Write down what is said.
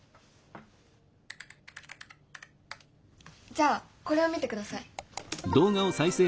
じゃあこれを見てください。